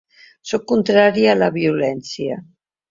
Sóc contrari a la violència.